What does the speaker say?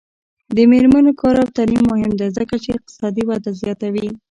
د میرمنو کار او تعلیم مهم دی ځکه چې اقتصادي وده زیاتوي.